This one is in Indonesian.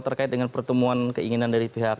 terkait dengan pertemuan keinginan dari pihak